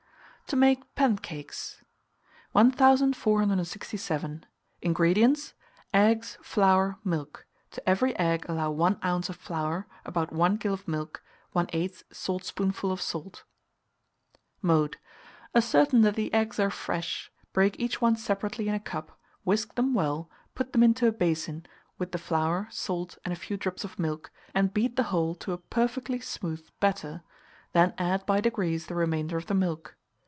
TO MAKE PANCAKES. 1467. INGREDIENTS. Eggs, flour, milk; to every egg allow 1 oz. of flour, about 1 gill of milk, 1/8 saltspoonful of salt. [Illustration: PANCAKES.] Mode. Ascertain that the eggs are fresh; break each one separately in a cup; whisk them well, put them into a basin, with the flour, salt, and a few drops of milk, and beat the whole to a perfectly smooth batter; then add by degrees the remainder of the milk.